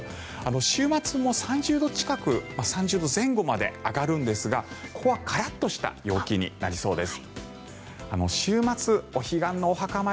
週末も３０度近く３０度前後まで上がるんですがここはカラッとした陽気になりそうです。